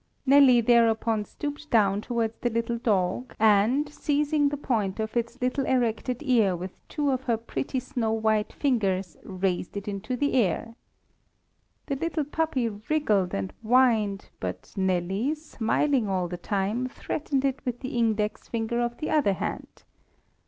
Nelly thereupon stooped down towards the little dog, and, seizing the point of its little erected ear with two of her pretty snow white fingers, raised it into the air. The little puppy wriggled and whined, but Nelly, smiling all the time, threatened it with the index finger of the other hand.